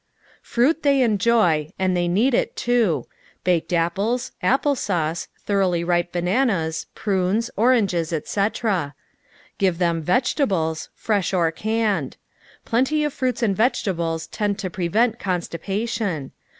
Fruit they enjoy, and they need it, too ŌĆö baked apples, apple sauce, thoroughly ripe bananas, prunes, oranges, etc. Give them vegetables, fresh or canned. Plenty of fruits and vegetables tend to prevent constipation.